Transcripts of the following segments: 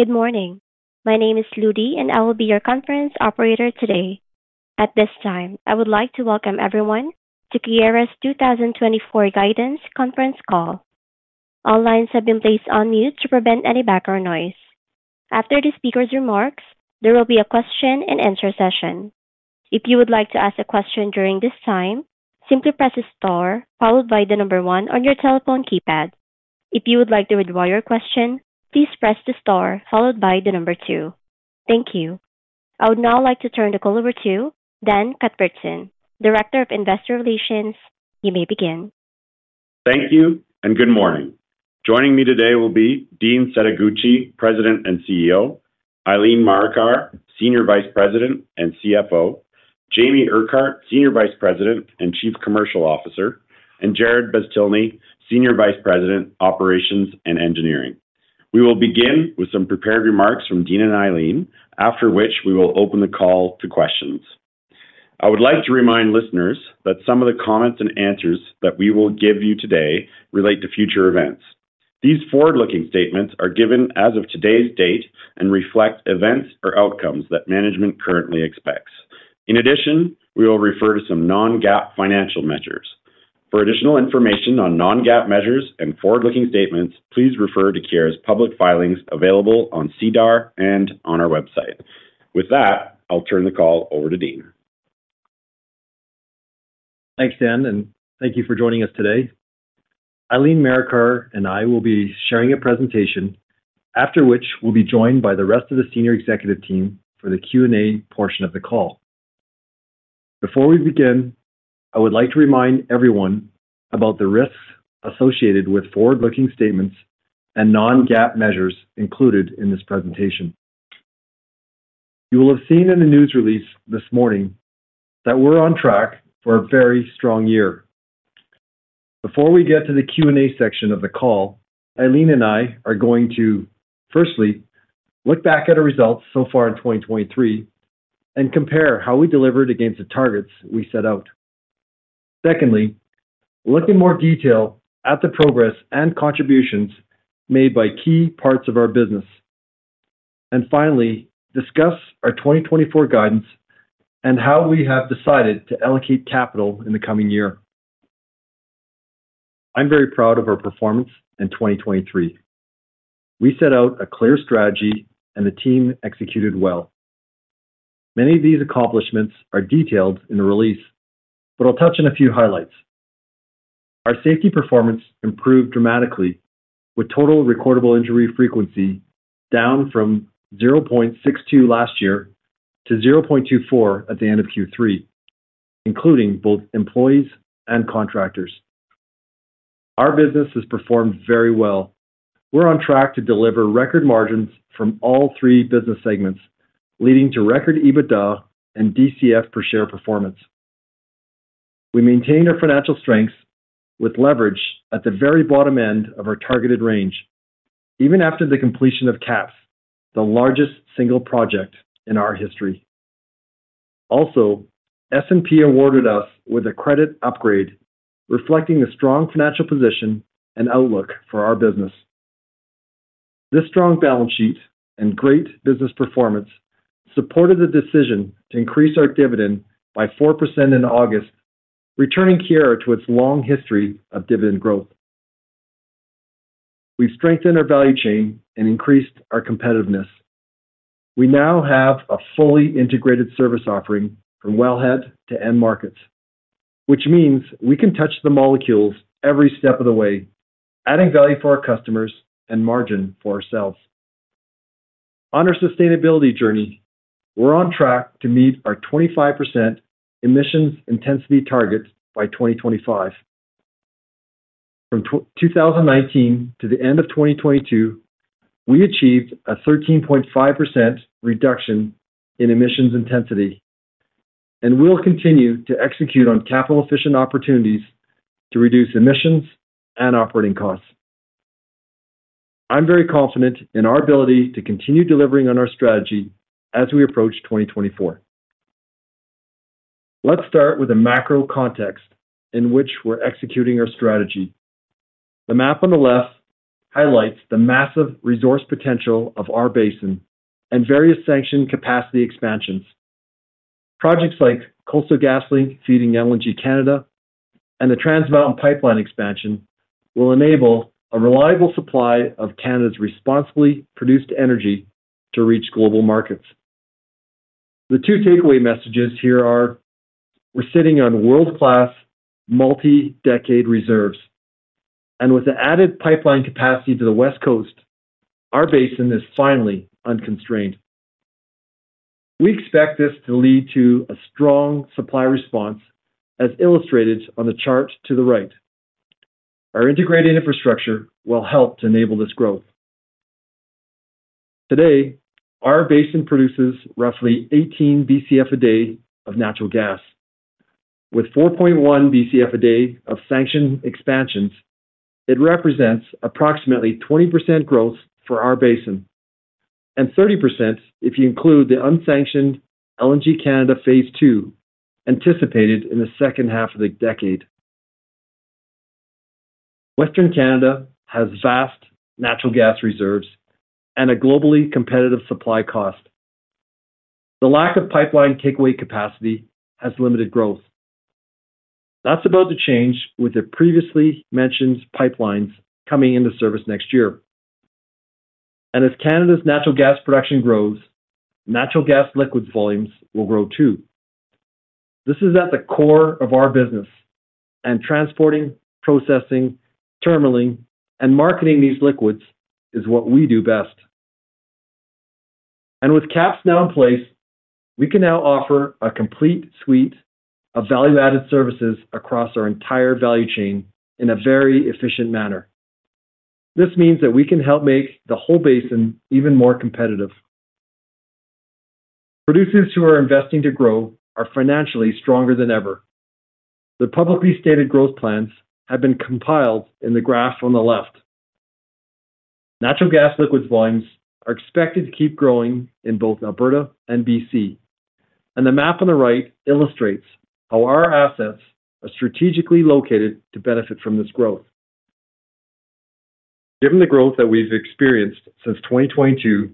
Good morning. My name is Ludy, and I will be your conference operator today. At this time, I would like to welcome everyone to Keyera's 2024 guidance conference call. All lines have been placed on mute to prevent any background noise. After the speaker's remarks, there will be a question-and-answer session. If you would like to ask a question during this time, simply press star followed by the number one on your telephone keypad. If you would like to withdraw your question, please press the star followed by the number two. Thank you. I would now like to turn the call over to Dan Cuthbertson, Director of Investor Relations. You may begin. Thank you and good morning. Joining me today will be Dean Setoguchi, President and CEO, Eileen Marikar, Senior Vice President and CFO, Jamie Urquhart, Senior Vice President and Chief Commercial Officer, and Jarrod Beztilny, Senior Vice President, Operations and Engineering. We will begin with some prepared remarks from Dean and Eileen, after which we will open the call to questions. I would like to remind listeners that some of the comments and answers that we will give you today relate to future events. These forward-looking statements are given as of today's date and reflect events or outcomes that management currently expects. In addition, we will refer to some non-GAAP financial measures. For additional information on non-GAAP measures and forward-looking statements, please refer to Keyera's public filings available on SEDAR and on our website. With that, I'll turn the call over to Dean. Thanks, Dan, and thank you for joining us today. Eileen Marikar and I will be sharing a presentation, after which we'll be joined by the rest of the senior executive team for the Q&A portion of the call. Before we begin, I would like to remind everyone about the risks associated with forward-looking statements and non-GAAP measures included in this presentation. You will have seen in the news release this morning that we're on track for a very strong year. Before we get to the Q&A section of the call, Eileen and I are going to, firstly, look back at our results so far in 2023 and compare how we delivered against the targets we set out. Secondly, look in more detail at the progress and contributions made by key parts of our business. Finally, discuss our 2024 guidance and how we have decided to allocate capital in the coming year. I'm very proud of our performance in 2023. We set out a clear strategy, and the team executed well. Many of these accomplishments are detailed in the release, but I'll touch on a few highlights. Our safety performance improved dramatically, with Total Recordable Injury Frequency down from 0.62 last year to 0.24 at the end of Q3, including both employees and contractors. Our business has performed very well. We're on track to deliver record margins from all three business segments, leading to record EBITDA and DCF per share performance. We maintained our financial strength with leverage at the very bottom end of our targeted range, even after the of KAPS, the largest single project in our history. Also, S&P awarded us with a credit upgrade, reflecting a strong financial position and outlook for our business. This strong balance sheet and great business performance supported the decision to increase our dividend by 4% in August, returning Keyera to its long history of dividend growth. We've strengthened our value chain and increased our competitiveness. We now have a fully integrated service offering from wellhead to end markets, which means we can touch the molecules every step of the way, adding value for our customers and margin for ourselves. On our sustainability journey, we're on track to meet our 25% emissions intensity target by 2025. From two thousand and nineteen to the end of 2022, we achieved a 13.5% reduction in emissions intensity and will continue to execute on capital-efficient opportunities to reduce emissions and operating costs. I'm very confident in our ability to continue delivering on our strategy as we approach 2024. Let's start with the macro context in which we're executing our strategy. The map on the left highlights the massive resource potential of our basin and various sanctioned capacity expansions. Projects like Coastal GasLink, feeding LNG Canada, and the Trans Mountain Pipeline Expansion will enable a reliable supply of Canada's responsibly produced energy to reach global markets. The two takeaway messages here are: we're sitting on world-class, multi-decade reserves, and with the added pipeline capacity to the West Coast, our basin is finally unconstrained. We expect this to lead to a strong supply response, as illustrated on the chart to the right. Our integrated infrastructure will help to enable this growth. Today, our basin produces roughly 18 Bcf a day of natural gas. With 4.1 Bcf a day of sanctioned expansions, it represents approximately 20% growth for our basin, and 30% if you include the unsanctioned LNG Canada Phase Two, anticipated in the second half of the decade. Western Canada has vast natural gas reserves and a globally competitive supply cost. The lack of pipeline takeaway capacity has limited growth. That's about to change with the previously mentioned pipelines coming into service next year. As Canada's natural gas production grows, natural gas liquids volumes will grow, too. This is at the core of our business, and transporting, processing, terminalling, and marketing these liquids is what we do best. With KAPS now in place, we can now offer a complete suite of value-added services across our entire value chain in a very efficient manner. This means that we can help make the whole basin even more competitive. Producers who are investing to grow are financially stronger than ever. The publicly stated growth plans have been compiled in the graph on the left. Natural gas liquids volumes are expected to keep growing in both Alberta and BC, and the map on the right illustrates how our assets are strategically located to benefit from this growth. Given the growth that we've experienced since 2022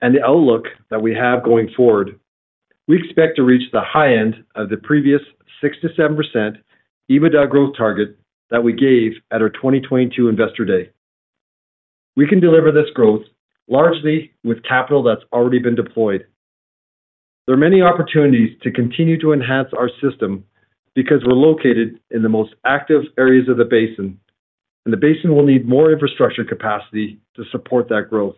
and the outlook that we have going forward, we expect to reach the high end of the previous 6%-7% EBITDA growth target that we gave at our 2022 Investor Day. We can deliver this growth largely with capital that's already been deployed. There are many opportunities to continue to enhance our system because we're located in the most active areas of the basin, and the basin will need more infrastructure capacity to support that growth.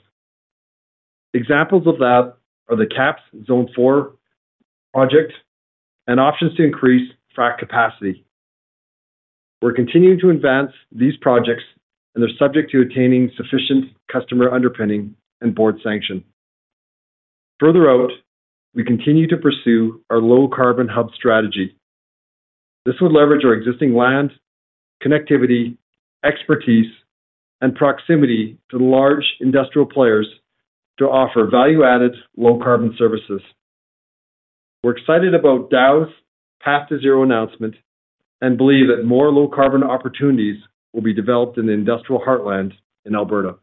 Examples of that are the KAPS Zone Four project and options to increase frac capacity. We're continuing to advance these projects, and they're subject to attaining sufficient customer underpinning and board sanction. Further out, we continue to pursue our low-carbon hub strategy. This would leverage our existing land, connectivity, expertise, and proximity to large industrial players to offer value-added, low-carbon services. We're excited about Dow's Path to Zero announcement and believe that more low-carbon opportunities will be developed in the Industrial Heartland in Alberta.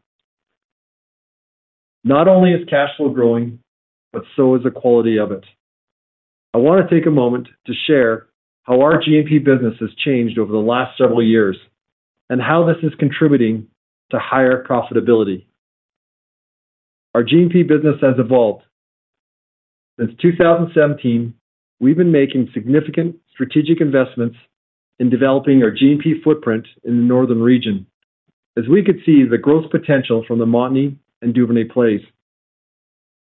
Not only is cash flow growing, but so is the quality of it. I want to take a moment to share how our G&P business has changed over the last several years and how this is contributing to higher profitability. Our G&P business has evolved. Since 2017, we've been making significant strategic investments in developing our G&P footprint in the northern region, as we could see the growth potential from the Montney and Duvernay plays.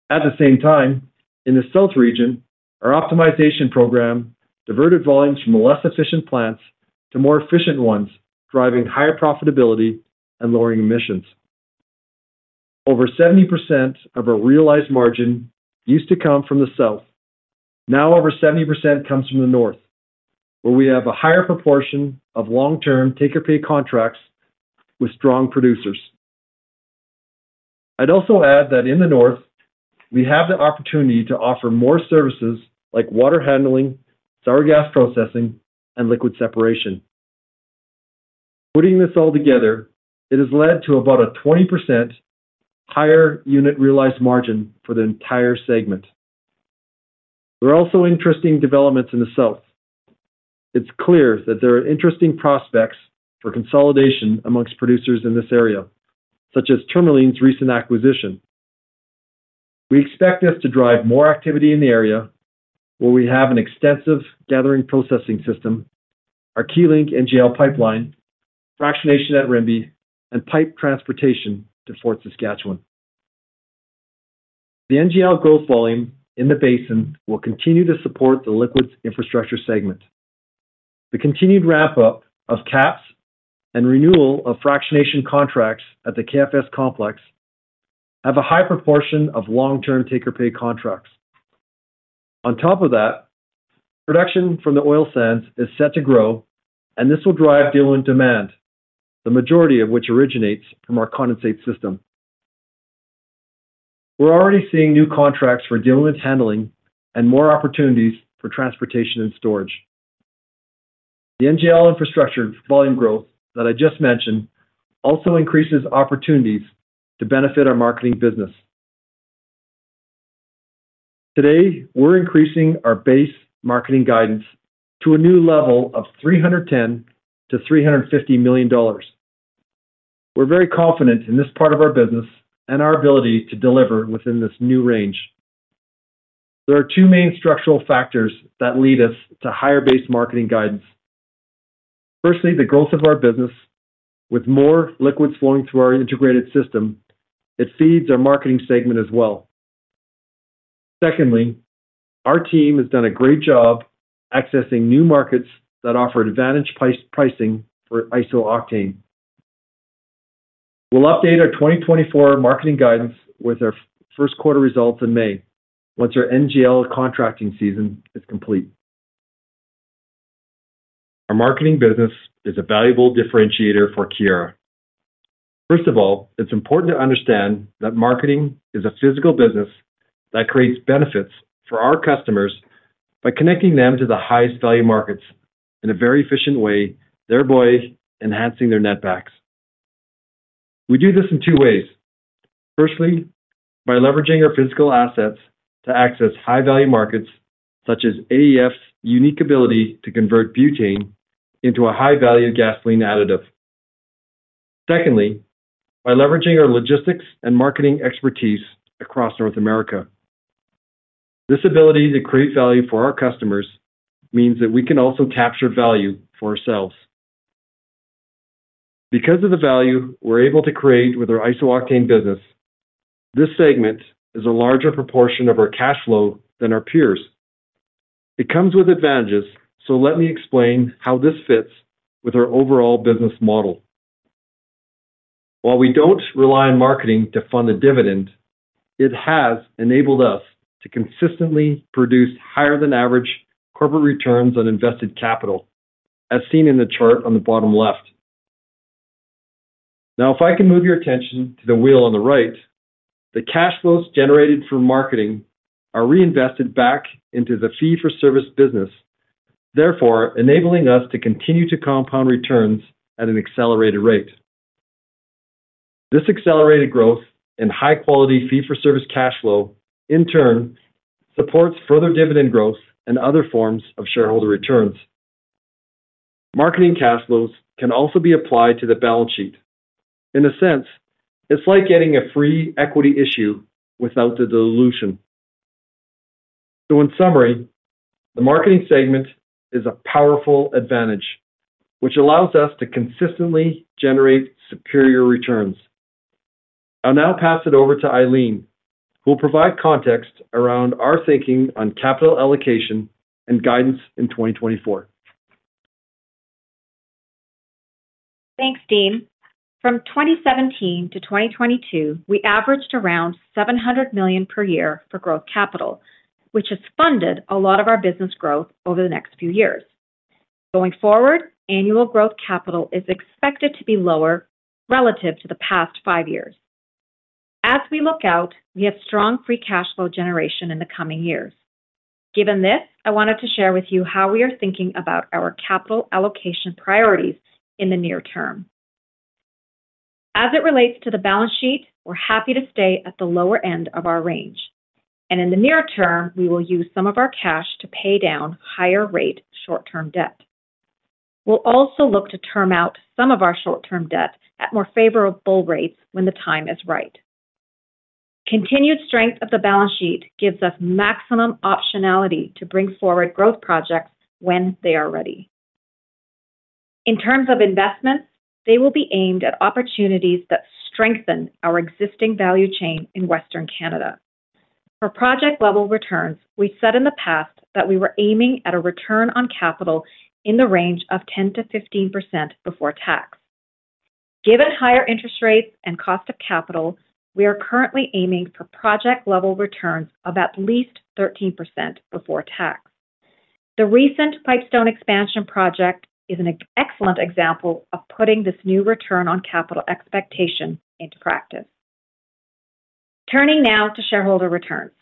At the same time, in the south region, our optimization program diverted volumes from the less efficient plants to more efficient ones, driving higher profitability and lowering emissions. Over 70% of our realized margin used to come from the south. Now, over 70% comes from the north, where we have a higher proportion of long-term take-or-pay contracts with strong producers. I'd also add that in the north, we have the opportunity to offer more services like water handling, sour gas processing, and liquid separation. Putting this all together, it has led to about a 20% higher unit realized margin for the entire segment. There are also interesting developments in the south. It's clear that there are interesting prospects for consolidation among producers in this area, such as Tourmaline's recent acquisition. We expect this to drive more activity in the area where we have an extensive gathering processing system, our Keylink NGL pipeline, fractionation at Rimbey, and pipe transportation to Fort Saskatchewan. The NGL growth volume in the basin will continue to support the Liquids Infrastructure segment. The continued ramp-up of KAPS and renewal of fractionation contracts at the KFS complex have a high proportion of long-term take-or-pay contracts. On top of that, production from the oil sands is set to grow, and this will drive diluent demand, the majority of which originates from our condensate system. We're already seeing new contracts for diluent handling and more opportunities for transportation and storage. The NGL infrastructure volume growth that I just mentioned also increases opportunities to benefit our marketing business. Today, we're increasing our base marketing guidance to a new level of 310 million-350 million dollars. We're very confident in this part of our business and our ability to deliver within this new range. There are two main structural factors that lead us to higher base marketing guidance. Firstly, the growth of our business. With more liquids flowing through our integrated system, it feeds our marketing segment as well. Secondly, our team has done a great job accessing new markets that offer advantageous pricing for iso-octane. We'll update our 2024 marketing guidance with our first quarter results in May, once our NGL contracting season is complete. Our marketing business is a valuable differentiator for Keyera.... First of all, it's important to understand that marketing is a physical business that creates benefits for our customers by connecting them to the highest value markets in a very efficient way, thereby enhancing their net backs. We do this in two ways. Firstly, by leveraging our physical assets to access high-value markets, such as AEF's unique ability to convert butane into a high-value gasoline additive. Secondly, by leveraging our logistics and marketing expertise across North America. This ability to create value for our customers means that we can also capture value for ourselves. Because of the value we're able to create with our iso-octane business, this segment is a larger proportion of our cash flow than our peers. It comes with advantages, so let me explain how this fits with our overall business model. While we don't rely on marketing to fund the dividend, it has enabled us to consistently produce higher than average corporate returns on invested capital, as seen in the chart on the bottom left. Now, if I can move your attention to the wheel on the right, the cash flows generated from marketing are reinvested back into the fee-for-service business, therefore enabling us to continue to compound returns at an accelerated rate. This accelerated growth and high-quality fee-for-service cash flow in turn supports further dividend growth and other forms of shareholder returns. Marketing cash flows can also be applied to the balance sheet. In a sense, it's like getting a free equity issue without the dilution. So in summary, the marketing segment is a powerful advantage, which allows us to consistently generate superior returns. I'll now pass it over to Eileen, who will provide context around our thinking on capital allocation and guidance in 2024. Thanks, Dean. From 2017 to 2022, we averaged around 700 million per year for growth capital, which has funded a lot of our business growth over the next few years. Going forward, annual growth capital is expected to be lower relative to the past five years. As we look out, we have strong free cash flow generation in the coming years. Given this, I wanted to share with you how we are thinking about our capital allocation priorities in the near term. As it relates to the balance sheet, we're happy to stay at the lower end of our range, and in the near term, we will use some of our cash to pay down higher rate short-term debt. We'll also look to term out some of our short-term debt at more favorable rates when the time is right. Continued strength of the balance sheet gives us maximum optionality to bring forward growth projects when they are ready. In terms of investments, they will be aimed at opportunities that strengthen our existing value chain in Western Canada. For project-level returns, we said in the past that we were aiming at a return on capital in the range of 10%-15% before tax. Given higher interest rates and cost of capital, we are currently aiming for project-level returns of at least 13% before tax. The recent Pipestone expansion project is an excellent example of putting this new return on capital expectation into practice. Turning now to shareholder returns.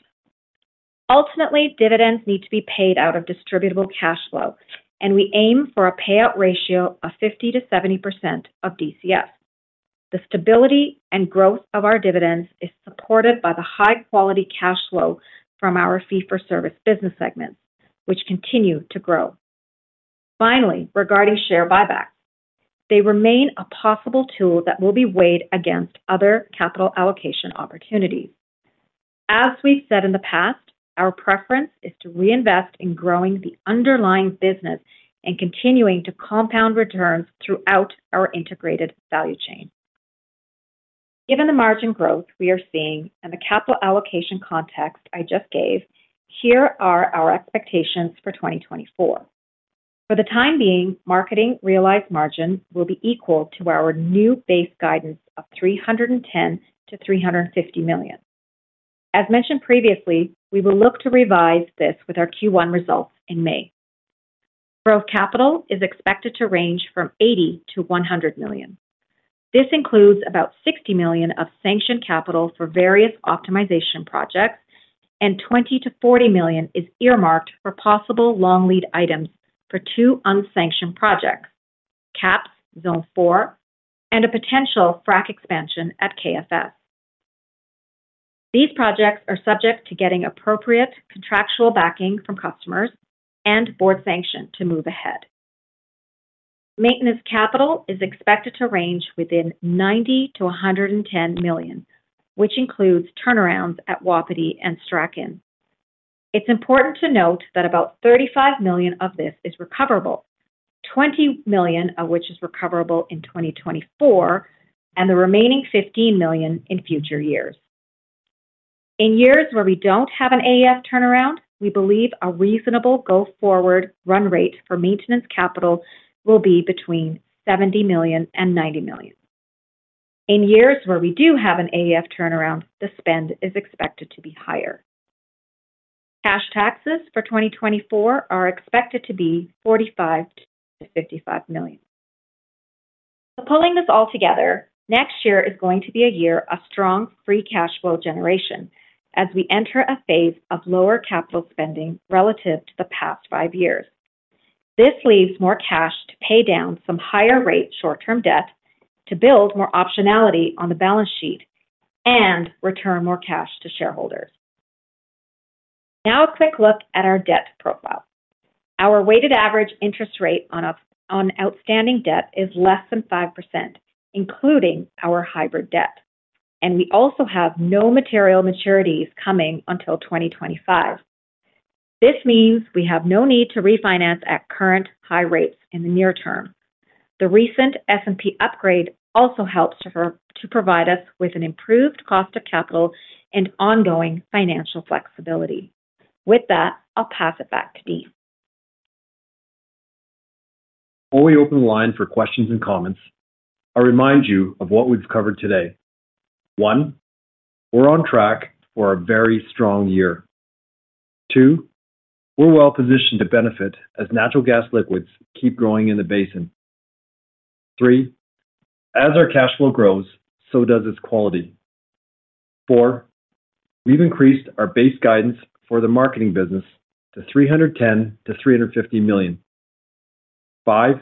Ultimately, dividends need to be paid out of distributable cash flow, and we aim for a payout ratio of 50%-70% of DCF. The stability and growth of our dividends is supported by the high-quality cash flow from our fee-for-service business segments, which continue to grow. Finally, regarding share buybacks, they remain a possible tool that will be weighed against other capital allocation opportunities. As we've said in the past, our preference is to reinvest in growing the underlying business and continuing to compound returns throughout our integrated value chain. Given the margin growth we are seeing and the capital allocation context I just gave, here are our expectations for 2024. For the time being, marketing realized margins will be equal to our new base guidance of 310 million-350 million. As mentioned previously, we will look to revise this with our Q1 results in May. Growth capital is expected to range from 80 million-100 million. This includes about 60 million of sanctioned capital for various optimization projects, and 20 million-40 million is earmarked for possible long lead items for two unsanctioned projects: KAPS Zone Four and a potential frac expansion at KFS. These projects are subject to getting appropriate contractual backing from customers and board sanction to move ahead. Maintenance capital is expected to range within 90 million-110 million, which includes turnarounds at Wapiti and Strachan. It's important to note that about 35 million of this is recoverable, 20 million of which is recoverable in 2024, and the remaining 15 million in future years. In years where we don't have an AEF turnaround, we believe a reasonable go-forward run rate for maintenance capital will be between 70 million and 90 million. In years where we do have an AEF turnaround, the spend is expected to be higher. Cash taxes for 2024 are expected to be 45 million-55 million. So pulling this all together, next year is going to be a year of strong free cash flow generation as we enter a phase of lower capital spending relative to the past five years. This leaves more cash to pay down some higher rate short-term debt, to build more optionality on the balance sheet and return more cash to shareholders. Now, a quick look at our debt profile. Our weighted average interest rate on outstanding debt is less than 5%, including our hybrid debt, and we also have no material maturities coming until 2025. This means we have no need to refinance at current high rates in the near term. The recent S&P upgrade also helps to provide us with an improved cost of capital and ongoing financial flexibility. With that, I'll pass it back to Dean. Before we open the line for questions and comments, I remind you of what we've covered today. One, we're on track for a very strong year. Two, we're well positioned to benefit as natural gas liquids keep growing in the basin. Three, as our cash flow grows, so does its quality. Four, we've increased our base guidance for the marketing business to 310 million-350 million. Five,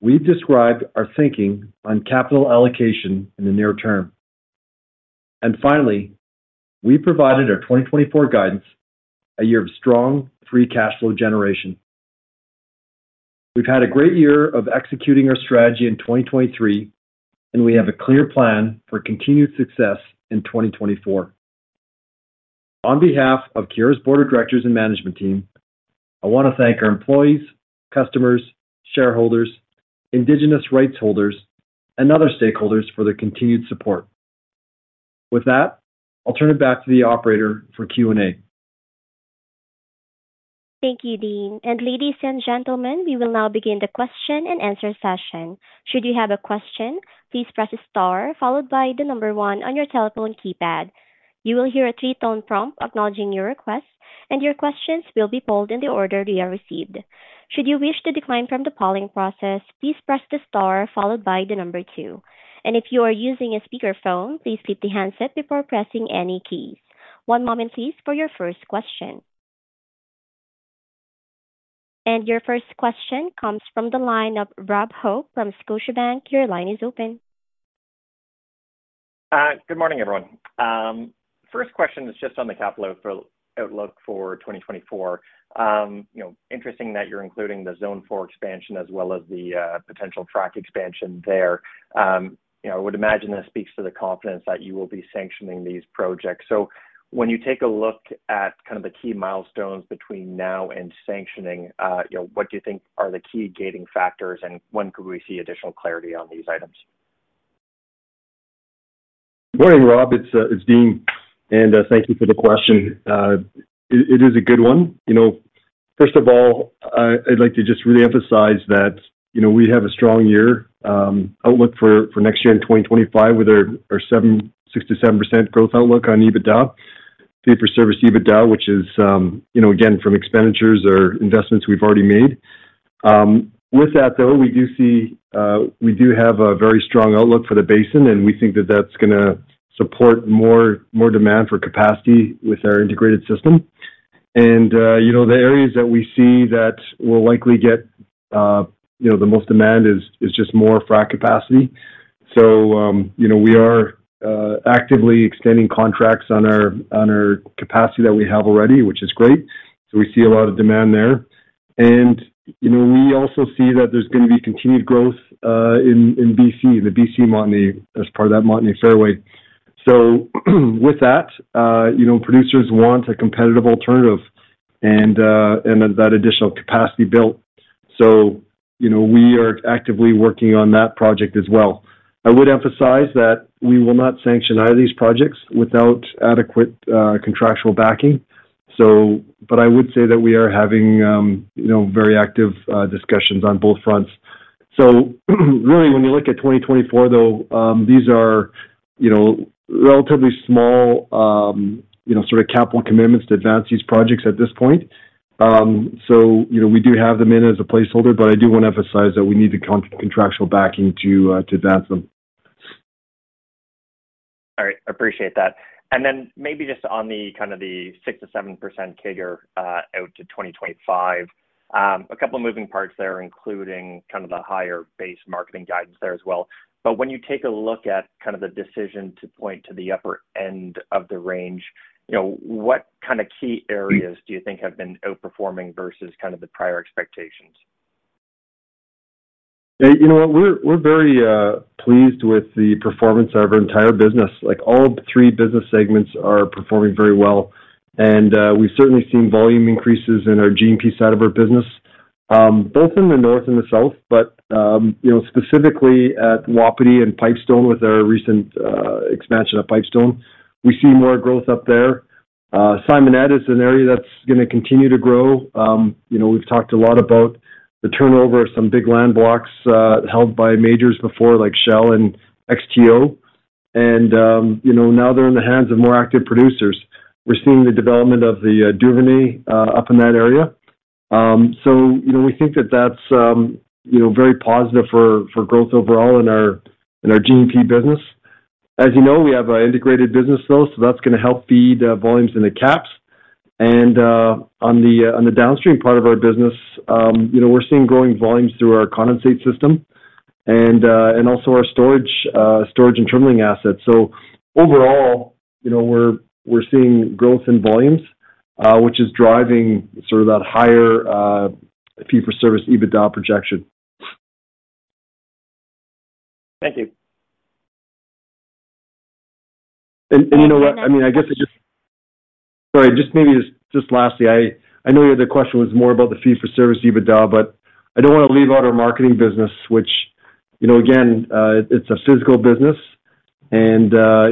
we've described our thinking on capital allocation in the near term. And finally, we provided our 2024 guidance, a year of strong free cash flow generation. We've had a great year of executing our strategy in 2023, and we have a clear plan for continued success in 2024. On behalf of Keyera's Board of Directors and management team, I want to thank our employees, customers, shareholders, indigenous rights holders and other stakeholders for their continued support. With that, I'll turn it back to the operator for Q&A. Thank you, Dean. And ladies and gentlemen, we will now begin the question-and-answer session. Should you have a question, please press star followed by the number one on your telephone keypad. You will hear a three tone prompt acknowledging your request, and your questions will be polled in the order they are received. Should you wish to decline from the polling process, please press the star followed by the number two. And if you are using a speakerphone, please keep the handset before pressing any keys. One moment, please, for your first question. And your first question comes from the line of Rob Hope from Scotiabank. Your line is open. Good morning, everyone. First question is just on the capital outlook for 2024. You know, interesting that you're including the Zone Four expansion as well as the potential frac expansion there. You know, I would imagine that speaks to the confidence that you will be sanctioning these projects. So when you take a look at kind of the key milestones between now and sanctioning, you know, what do you think are the key gating factors, and when could we see additional clarity on these items? Morning, Rob. It's Dean, and thank you for the question. It is a good one. You know, first of all, I'd like to just really emphasize that, you know, we have a strong year outlook for next year in 2025 with our 6%-7% growth outlook on EBITDA. Fee for service EBITDA, which is, you know, again, from expenditures or investments we've already made. With that, though, we do see, we do have a very strong outlook for the basin, and we think that that's gonna support more demand for capacity with our integrated system. And, you know, the areas that we see that will likely get, you know, the most demand is just more frac capacity. So, you know, we are actively extending contracts on our capacity that we have already, which is great. So we see a lot of demand there. And, you know, we also see that there's going to be continued growth in BC, the BC Montney, as part of that Montney Fairway. So with that, you know, producers want a competitive alternative and that additional capacity built. So, you know, we are actively working on that project as well. I would emphasize that we will not sanction either of these projects without adequate contractual backing. So, but I would say that we are having, you know, very active discussions on both fronts. So really, when you look at 2024, though, these are, you know, relatively small, you know, sort of capital commitments to advance these projects at this point. So, you know, we do have them in as a placeholder, but I do want to emphasize that we need the contractual backing to advance them. All right, appreciate that. And then maybe just on the, kind of the 6%-7% CAGR, out to 2025. A couple of moving parts there, including kind of the higher base marketing guidance there as well. But when you take a look at kind of the decision to point to the upper end of the range, you know, what kind of key areas do you think have been outperforming versus kind of the prior expectations? You know what? We're very pleased with the performance of our entire business. Like, all three business segments are performing very well, and we've certainly seen volume increases in our G&P side of our business, both in the north and the south, but you know, specifically at Wapiti and Pipestone, with our recent expansion of Pipestone. We see more growth up there. Simonette is an area that's gonna continue to grow. You know, we've talked a lot about the turnover of some big land blocks held by majors before, like Shell and XTO... Now they're in the hands of more active producers. We're seeing the development of the Duvernay up in that area. So, you know, we think that that's, you know, very positive for growth overall in our GCP business. As you know, we have an integrated business though, so that's gonna help feed volumes in the KAPS. And on the downstream part of our business, you know, we're seeing growing volumes through our condensate system and also our storage and terminal assets. So overall, you know, we're seeing growth in volumes, which is driving sort of that higher fee-for-service EBITDA projection. Thank you. You know what? I mean, I guess it just—sorry, just lastly, I know your other question was more about the fee-for-service EBITDA, but I don't wanna leave out our marketing business, which, you know, again, it's a physical business, and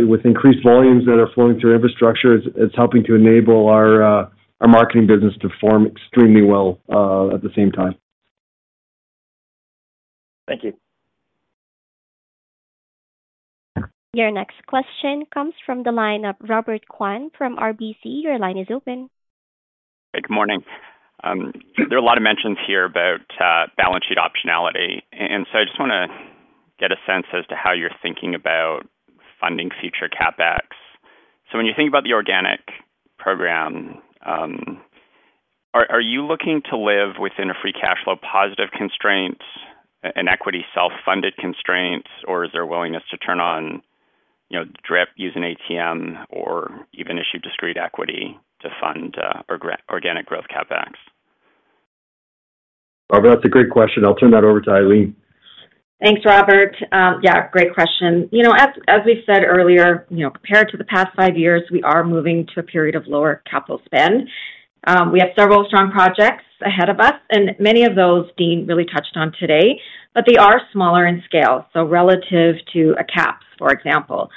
with increased volumes that are flowing through infrastructure, it's helping to enable our marketing business to perform extremely well at the same time. Thank you. Your next question comes from the line of Robert Kwan from RBC. Your line is open. Hey, good morning. There are a lot of mentions here about balance sheet optionality, and so I just wanna get a sense as to how you're thinking about funding future CapEx. So when you think about the organic program, are you looking to live within a free cash flow positive constraint, an equity self-funded constraint, or is there a willingness to turn on, you know, drip, using ATM or even issue discrete equity to fund or organic growth CapEx? Robert, that's a great question. I'll turn that over to Eileen. Thanks, Robert. Yeah, great question. You know, as we said earlier, you know, compared to the past 5 years, we are moving to a period of lower capital spend. We have several strong projects ahead of us, and many of those Dean really touched on today, but they are smaller in scale, so relative to a KAPS, for example.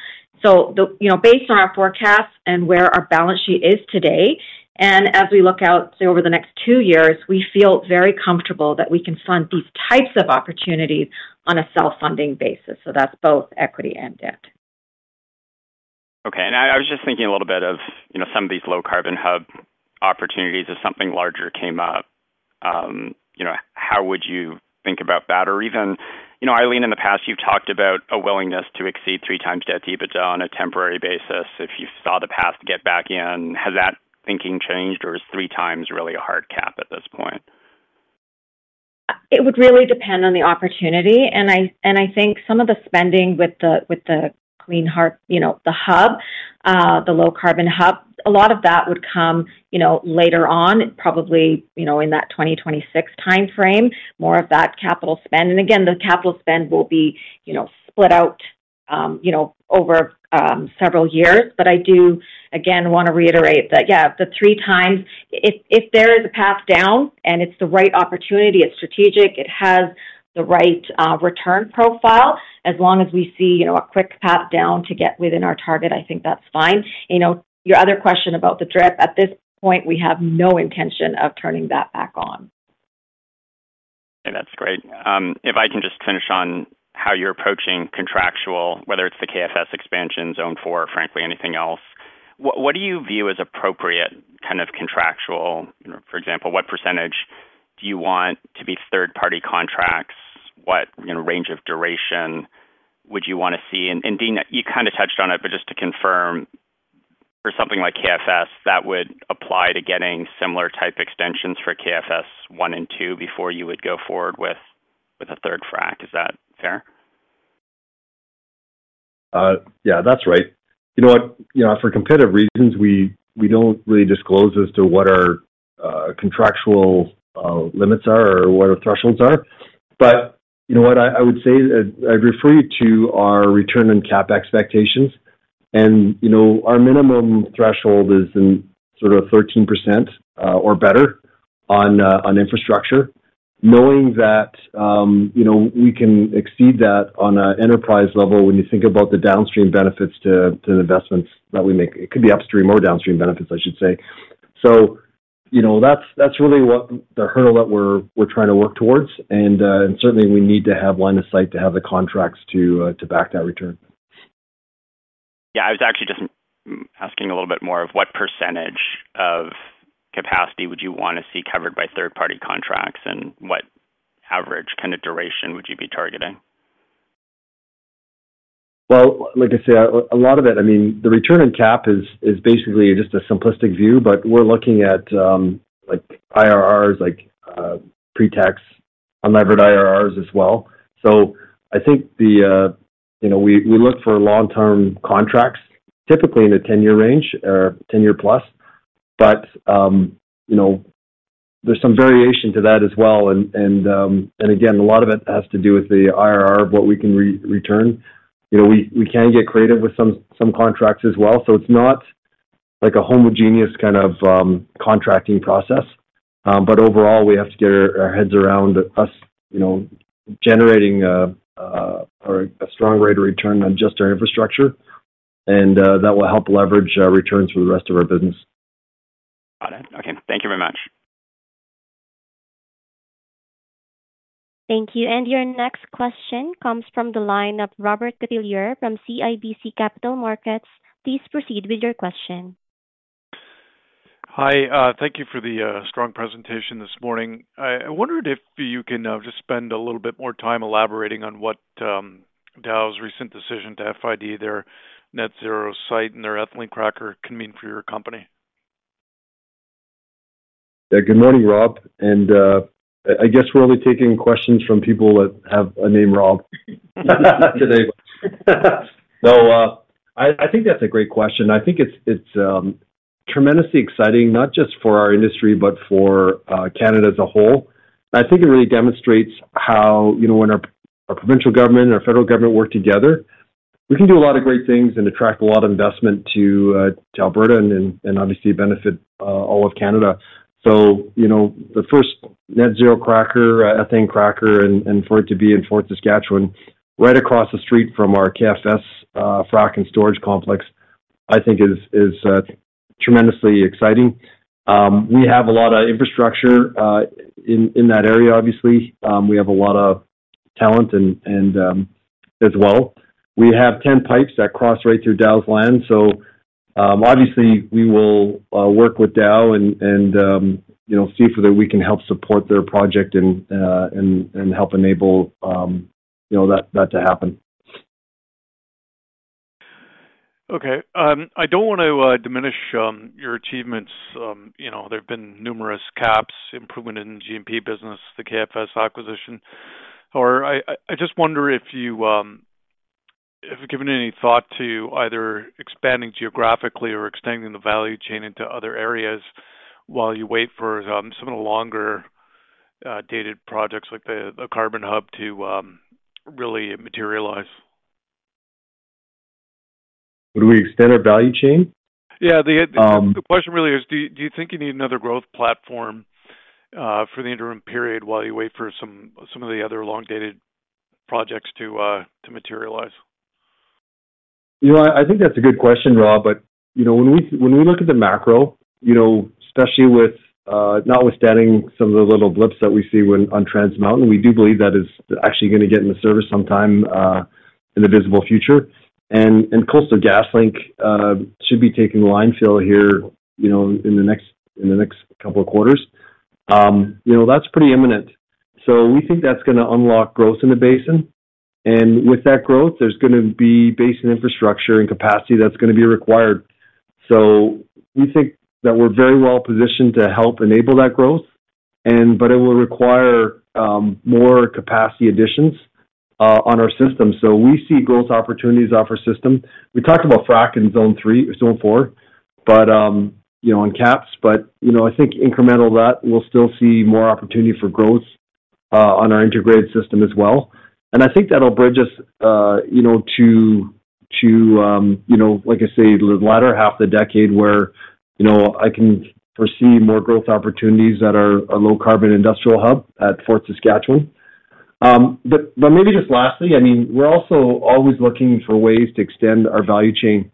So the... You know, based on our forecast and where our balance sheet is today, and as we look out, say, over the next two years, we feel very comfortable that we can fund these types of opportunities on a self-funding basis. So that's both equity and debt. Okay. And I was just thinking a little bit of, you know, some of these low-carbon hub opportunities. If something larger came up, you know, how would you think about that? Or even, you know, Eileen, in the past, you've talked about a willingness to exceed 3x debt to EBITDA on a temporary basis if you saw the path to get back in. Has that thinking changed, or is 3x really a hard cap at this point? It would really depend on the opportunity, and I think some of the spending with the Clean H2, you know, the hub, the low-carbon hub, a lot of that would come, you know, later on, probably, you know, in that 2026 time frame, more of that capital spend. And again, the capital spend will be, you know, split out, you know, over several years. But I do, again, wanna reiterate that, yeah, the three times, if there is a path down and it's the right opportunity, it's strategic, it has the right return profile, as long as we see, you know, a quick path down to get within our target, I think that's fine. You know, your other question about the drip, at this point, we have no intention of turning that back on. Okay, that's great. If I can just finish on how you're approaching contractual, whether it's the KFS expansion, Zone 4, or frankly, anything else, what do you view as appropriate kind of contractual, you know... for example, what percentage do you want to be third-party contracts? What, you know, range of duration would you wanna see? And Dean, you kind of touched on it, but just to confirm, for something like KFS, that would apply to getting similar type extensions for KFS 1 and 2 before you would go forward with a third frac. Is that fair? Yeah, that's right. You know what? You know, for competitive reasons, we don't really disclose as to what our contractual limits are or what our thresholds are. But you know what? I would say is, I'd refer you to our return on cap expectations, and, you know, our minimum threshold is in sort of 13%, or better, on infrastructure. Knowing that, you know, we can exceed that on a enterprise level when you think about the downstream benefits to the investments that we make. It could be upstream or downstream benefits, I should say. So, you know, that's really what the hurdle that we're trying to work towards, and certainly, we need to have line of sight to have the contracts to back that return. Yeah, I was actually just asking a little bit more of what percentage of capacity would you wanna see covered by third-party contracts, and what average kind of duration would you be targeting? Well, like I said, a lot of it, I mean, the return on cap is basically just a simplistic view, but we're looking at, like IRRs, like, pretax, unlevered IRRs as well. So I think the, you know, we look for long-term contracts, typically in a 10 year range or 10 year plus. But, you know, there's some variation to that as well, and again, a lot of it has to do with the IRR of what we can return. You know, we can get creative with some contracts as well, so it's not like a homogeneous kind of contracting process. Overall, we have to get our heads around us, you know, generating a strong rate of return on just our infrastructure, and that will help leverage our returns for the rest of our business. Got it. Okay. Thank you very much. Thank you. And your next question comes from the line of Robert Catellier from CIBC Capital Markets. Please proceed with your question. Hi, thank you for the strong presentation this morning. I wondered if you can just spend a little bit more time elaborating on what Dow's recent decision to FID their net zero site and their ethylene cracker can mean for your company. Yeah. Good morning, Rob, and I guess we're only taking questions from people that have a name Rob today. So, I think that's a great question. I think it's tremendously exciting, not just for our industry, but for Canada as a whole. I think it really demonstrates how, you know, when our provincial government and our federal government work together, we can do a lot of great things and attract a lot of investment to Alberta and obviously benefit all of Canada. So, you know, the first net zero cracker, ethane cracker, and for it to be in Fort Saskatchewan, right across the street from our KFS Frac and storage complex, I think is tremendously exciting. We have a lot of infrastructure in that area, obviously. We have a lot of talent and as well. We have 10 pipes that cross right through Dow's land, so obviously we will work with Dow and, you know, see whether we can help support their project and help enable, you know, that to happen. Okay, I don't want to diminish your achievements. You know, there have been numerous KAPS improvements in the G&P business, the KFS acquisition. Or I just wonder if you if you've given any thought to either expanding geographically or extending the value chain into other areas while you wait for some of the longer dated projects like the carbon hub to really materialize. Would we extend our value chain? Yeah. The question really is, do you think you need another growth platform for the interim period while you wait for some of the other elongated projects to materialize? You know, I think that's a good question, Rob, but, you know, when we look at the macro, you know, especially with, notwithstanding some of the little blips that we see when on Trans Mountain, we do believe that it's actually gonna get into service sometime in the foreseeable future. And Coastal GasLink should be taking line fill here, you know, in the next couple of quarters. You know, that's pretty imminent. So we think that's gonna unlock growth in the basin. And with that growth, there's gonna be basin infrastructure and capacity that's gonna be required. So we think that we're very well positioned to help enable that growth, but it will require more capacity additions on our system. So we see growth opportunities off our system. We talked about frac in zone three, zone four, but you know, on KAPS. But you know, I think incremental that we'll still see more opportunity for growth on our integrated system as well. And I think that'll bridge us you know, to you know, like I say, the latter half of the decade, where you know, I can foresee more growth opportunities at our low-carbon industrial hub at Fort Saskatchewan. But maybe just lastly, I mean, we're also always looking for ways to extend our value chain.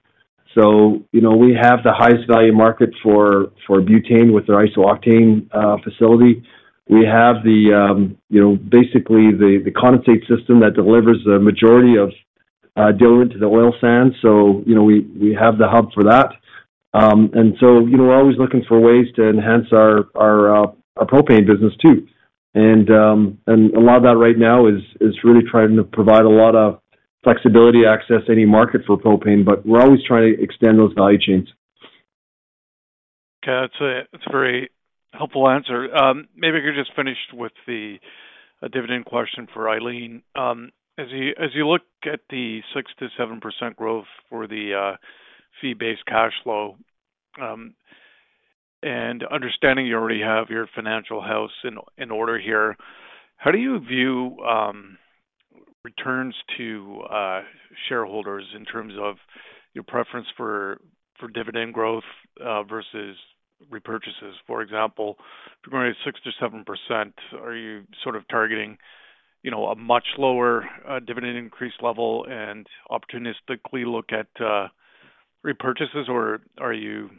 So you know, we have the highest value market for butane with our iso-octane facility. We have you know, basically the condensate system that delivers the majority of diluent to the oil sand. So you know, we have the hub for that. So, you know, we're always looking for ways to enhance our propane business too. And a lot of that right now is really trying to provide a lot of flexibility, access any market for propane, but we're always trying to extend those value chains. Okay. That's a very helpful answer. Maybe I could just finish with the dividend question for Eileen. As you look at the 6%-7% growth for the fee-based cash flow, and understanding you already have your financial house in order here, how do you view returns to shareholders in terms of your preference for dividend growth versus repurchases? For example, if you're growing at 6%-7%, are you sort of targeting, you know, a much lower dividend increase level and opportunistically look at repurchases? Or are you,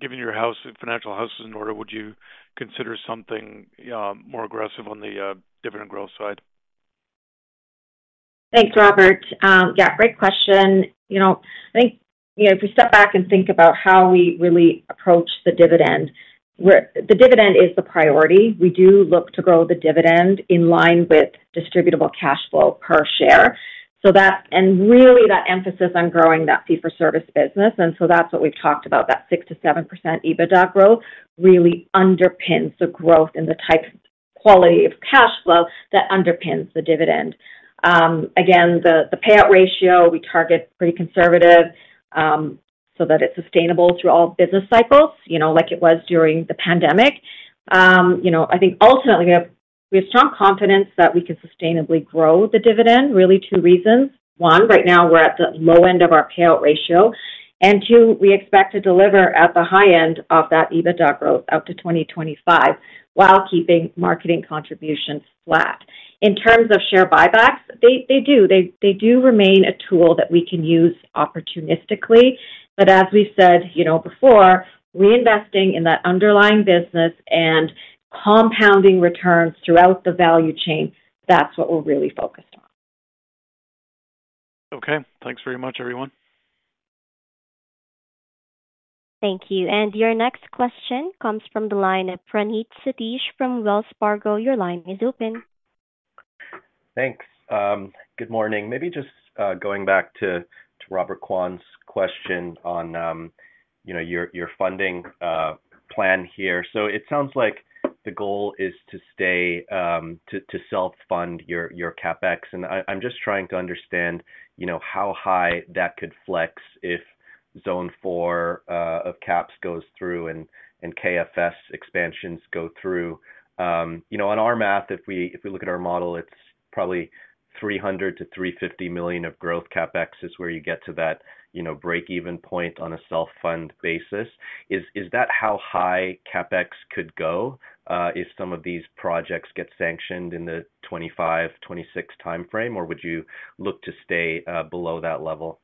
given your financial house is in order, would you consider something more aggressive on the dividend growth side? Thanks, Robert. Yeah, great question. You know, I think, you know, if we step back and think about how we really approach the dividend, the dividend is the priority. We do look to grow the dividend in line with distributable cash flow per share. So that, and really that emphasis on growing that fee for service business, and so that's what we've talked about, that 6%-7% EBITDA growth really underpins the growth in the type of quality of cash flow that underpins the dividend. Again, the payout ratio, we target pretty conservative, so that it's sustainable through all business cycles, you know, like it was during the pandemic. You know, I think ultimately, we have strong confidence that we can sustainably grow the dividend, really two reasons. One, right now, we're at the low end of our payout ratio, and two, we expect to deliver at the high end of that EBITDA growth out to 2025, while keeping marketing contributions flat. In terms of share buybacks, they do remain a tool that we can use opportunistically. But as we said, you know, before, reinvesting in that underlying business and compounding returns throughout the value chain, that's what we're really focused on. Okay. Thanks very much, everyone. Thank you. And your next question comes from the line of Praneeth Satish from Wells Fargo. Your line is open. Thanks. Good morning. Maybe just going back to Robert Kwan's question on, you know, your funding plan here. So it sounds like the goal is to stay to self-fund your CapEx, and I'm just trying to understand, you know, how high that could flex if Zone Four of KAPS goes through and KFS expansions go through. You know, on our math, if we look at our model, it's probably 300 million-350 million of growth CapEx is where you get to that, you know, break-even point on a self-fund basis. Is that how high CapEx could go if some of these projects get sanctioned in the 2025-2026 timeframe, or would you look to stay below that level?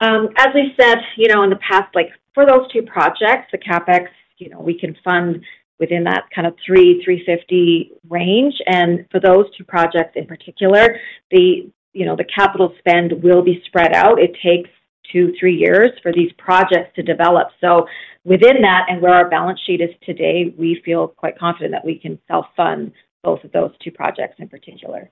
As I said, you know, in the past, like for those two projects, the CapEx, you know, we can fund within that kind of 300 million-350 million range. And for those two projects in particular, the, you know, the capital spend will be spread out. It takes two to three years for these projects to develop. So within that, and where our balance sheet is today, we feel quite confident that we can self-fund both of those two projects in particular.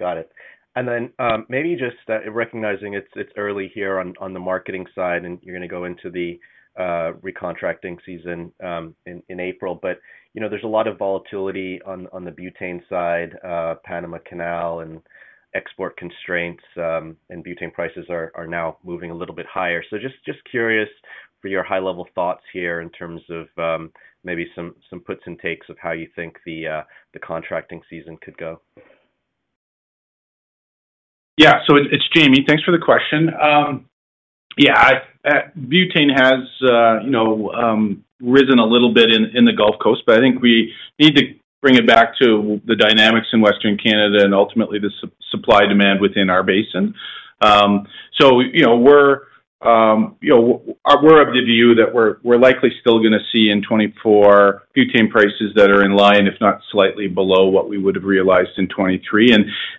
Got it. And then, maybe just recognizing it's early here on the marketing side, and you're gonna go into the recontracting season in April. But, you know, there's a lot of volatility on the butane side, Panama Canal and export constraints, and butane prices are now moving a little bit higher. So just curious for your high-level thoughts here in terms of, maybe some puts and takes of how you think the contracting season could go. Yeah. So it's, it's Jamie. Thanks for the question. Yeah, I, butane has, you know, risen a little bit in, in the Gulf Coast, but I think we need to bring it back to the dynamics in Western Canada and ultimately the supply, demand within our basin. So you know, we're, you know, we're of the view that we're, we're likely still gonna see in 2024, butane prices that are in line, if not slightly below, what we would have realized in 2023.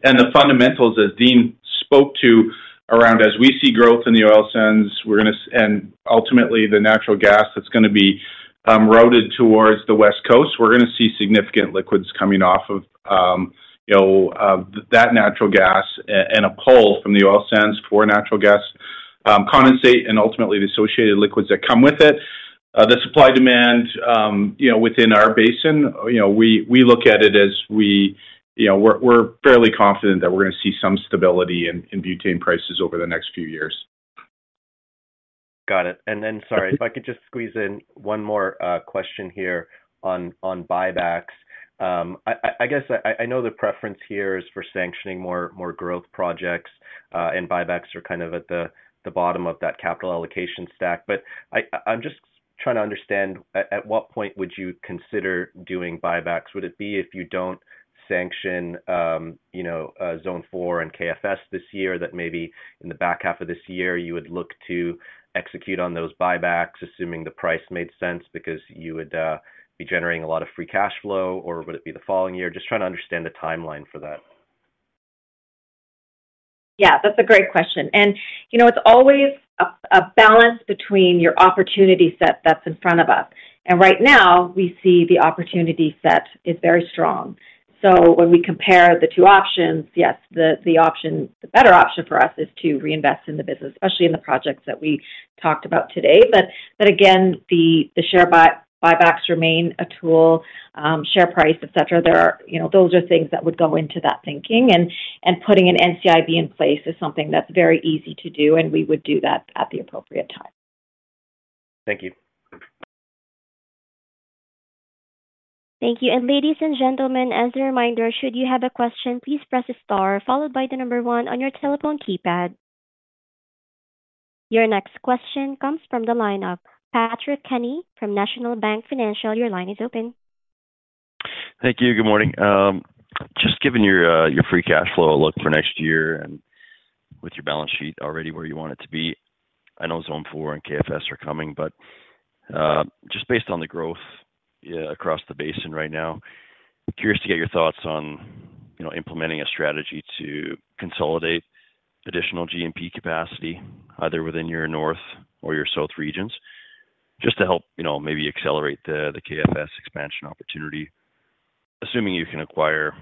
And the fundamentals, as Dean spoke to, around as we see growth in the oil sands, we're gonna—and ultimately the natural gas that's gonna be routed towards the West Coast, we're gonna see significant liquids coming off of, you know, that natural gas and a pull from the oil sands for natural gas condensate, and ultimately the associated liquids that come with it. The supply, demand, you know, within our basin, you know, we look at it as we, you know, we're fairly confident that we're gonna see some stability in butane prices over the next few years. Got it. And then, sorry, if I could just squeeze in one more question here on buybacks. I guess I know the preference here is for sanctioning more growth projects, and buybacks are kind of at the bottom of that capital allocation stack. But I'm just trying to understand, at what point would you consider doing buybacks? Would it be if you don't sanction, you know, Zone Four and KFS this year, that maybe in the back half of this year you would look to execute on those buybacks, assuming the price made sense because you would be generating a lot of free cash flow, or would it be the following year? Just trying to understand the timeline for that. Yeah, that's a great question. And, you know, it's always a balance between your opportunity set that's in front of us. And right now, we see the opportunity set is very strong. So when we compare the two options, yes, the better option for us is to reinvest in the business, especially in the projects that we talked about today. But, but again, the share buybacks remain a tool, share price, et cetera. There are, you know, those are things that would go into that thinking, and, and putting an NCIB in place is something that's very easy to do, and we would do that at the appropriate time. Thank you. Thank you. Ladies and gentlemen, as a reminder, should you have a question, please press star followed by the number one on your telephone keypad. Your next question comes from the line of Patrick Kenny from National Bank Financial. Your line is open. Thank you. Good morning. Just giving your free cash flow a look for next year and with your balance sheet already where you want it to be, I know Zone Four and KFS are coming, but just based on the growth across the basin right now, curious to get your thoughts on, you know, implementing a strategy to consolidate additional G&P capacity, either within your north or your south regions, just to help, you know, maybe accelerate the KFS expansion opportunity, assuming you can acquire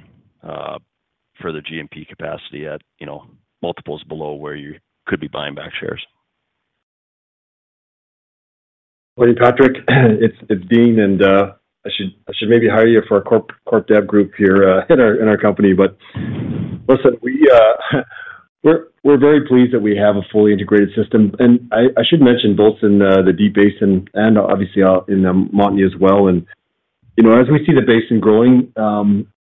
further G&P capacity at, you know, multiples below where you could be buying back shares? Patrick, it's Dean, and I should maybe hire you for our corp dev group here in our company. But listen, we're very pleased that we have a fully integrated system. And I should mention both in the deep basin and obviously out in the Montney as well. And, you know, as we see the basin growing,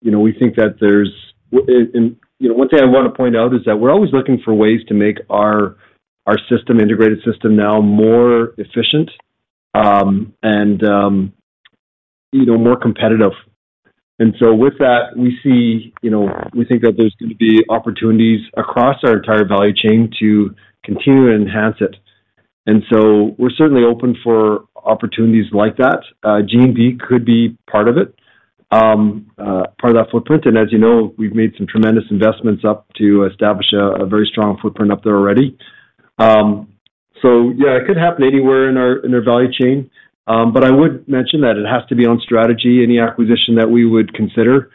you know, we think that there's... and, you know, one thing I want to point out is that we're always looking for ways to make our-... our system, integrated system now more efficient, and you know, more competitive. And so with that, we see, you know, we think that there's going to be opportunities across our entire value chain to continue to enhance it. And so we're certainly open for opportunities like that. Gene V could be part of it, part of that footprint, and as you know, we've made some tremendous investments up to establish a very strong footprint up there already. So yeah, it could happen anywhere in our value chain. But I would mention that it has to be on strategy, any acquisition that we would consider,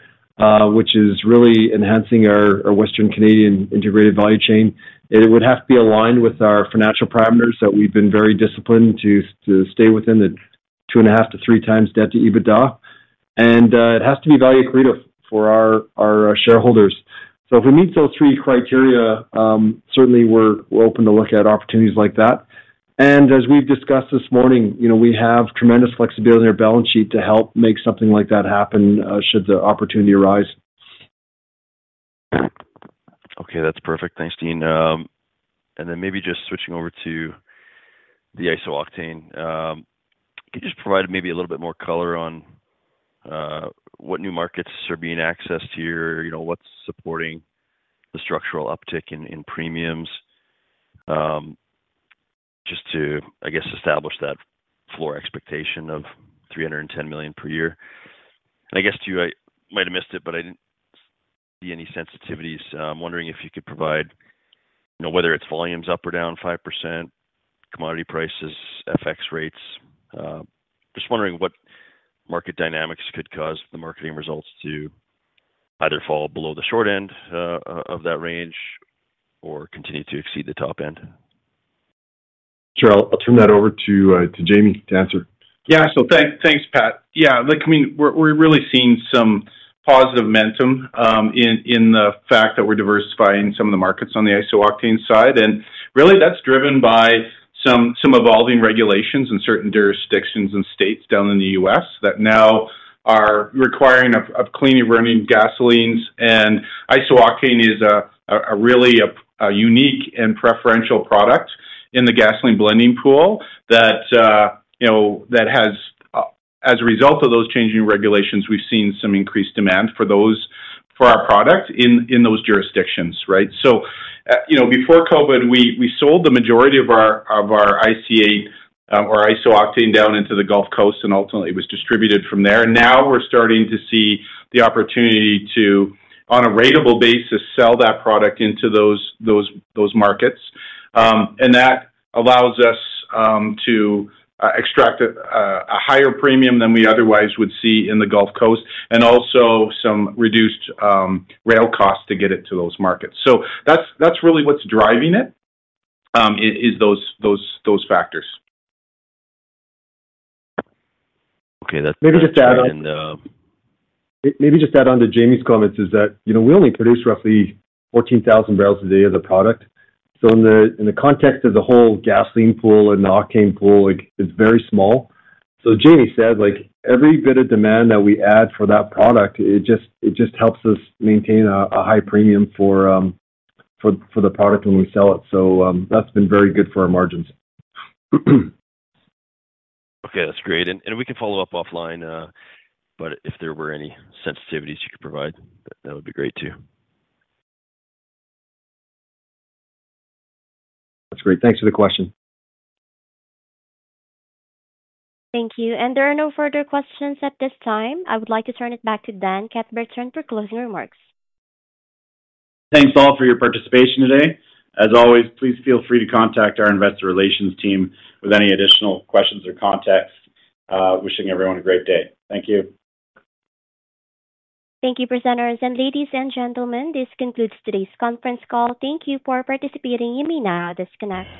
which is really enhancing our Western Canadian integrated value chain. It would have to be aligned with our financial parameters, that we've been very disciplined to, to stay within the 2.5-3 times debt to EBITDA, and it has to be value creative for our shareholders. So if we meet those three criteria, certainly we're open to look at opportunities like that. And as we've discussed this morning, you know, we have tremendous flexibility in our balance sheet to help make something like that happen, should the opportunity arise. Okay, that's perfect. Thanks, Dean. And then maybe just switching over to the iso-octane. Can you just provide maybe a little bit more color on what new markets are being accessed here? You know, what's supporting the structural uptick in premiums? Just to, I guess, establish that floor expectation of 310 million per year. And I guess, too, I might have missed it, but I didn't see any sensitivities. I'm wondering if you could provide, you know, whether it's volumes up or down 5%, commodity prices, FX rates. Just wondering what market dynamics could cause the marketing results to either fall below the short end of that range or continue to exceed the top end. Sure. I'll turn that over to Jamie to answer. Yeah. So thanks. Thanks, Pat. Yeah, like, I mean, we're really seeing some positive momentum in the fact that we're diversifying some of the markets on the iso-octane side. And really, that's driven by some evolving regulations in certain jurisdictions and states down in the U.S. that now are requiring cleaner burning gasolines. And iso-octane is a really unique and preferential product in the gasoline blending pool that, you know, that has as a result of those changing regulations, we've seen some increased demand for those, for our product in those jurisdictions, right? So, you know, before COVID, we sold the majority of our iso or iso-octane down into the Gulf Coast, and ultimately it was distributed from there. Now we're starting to see the opportunity to, on a ratable basis, sell that product into those markets. And that allows us to extract a higher premium than we otherwise would see in the Gulf Coast, and also some reduced rail costs to get it to those markets. So that's really what's driving it is those factors. Okay, that's- Maybe just to add on. Maybe just add on to Jamie's comments is that, you know, we only produce roughly 14,000 bpd of the product. So in the, in the context of the whole gasoline pool and the octane pool, like, it's very small. So Jamie said, like, every bit of demand that we add for that product, it just, it just helps us maintain a high premium for, for the product when we sell it. So, that's been very good for our margins. Okay, that's great. And we can follow up offline, but if there were any sensitivities you could provide, that would be great, too. That's great. Thanks for the question. Thank you. There are no further questions at this time. I would like to turn it back to Dan Cuthbertson for closing remarks. Thanks, all, for your participation today. As always, please feel free to contact our investor relations team with any additional questions or contacts. Wishing everyone a great day. Thank you. Thank you, presenters, and ladies and gentlemen, this concludes today's conference call. Thank you for participating. You may now disconnect.